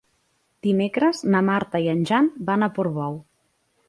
Dimecres na Marta i en Jan van a Portbou.